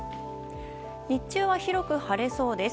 日中は広く晴れそうです。